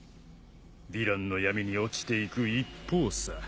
ヴィランの闇に落ちて行く一方さ。